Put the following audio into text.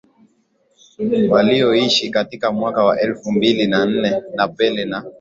Walioishi katika mwaka wa elfu mbili na nne na Pelé na